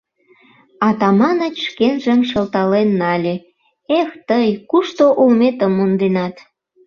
Атаманыч шкенжым шылтален нале: «Эх тый, кушто улметым монденат!